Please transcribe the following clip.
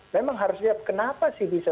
memang harusnya kenapa sih bisa